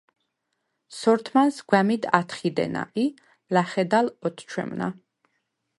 სორთმანს გვა̈მიდ ათხიდენა ი ლა̈ხედალ ოთჩვემნა.